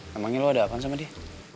namanya lo ada apa sama dia